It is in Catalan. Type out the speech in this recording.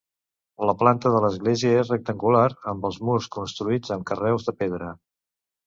La planta de l'església és rectangular, amb els murs construïts en carreus de pedra.